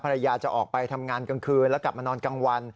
จะออกไปทำงานกลางคืนแล้วกลับมานอนกลางวัน